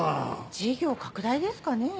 事業拡大ですかねぇ。